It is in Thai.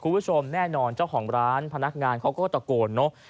คุณผู้ชมแน่นอนเจ้าของร้านพนักงานเขาก็ตะโกนเนอะ